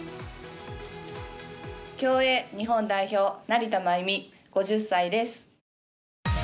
競泳日本代表、成田真由美５０歳です。